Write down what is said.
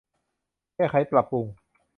แก้ไขปรับปรุง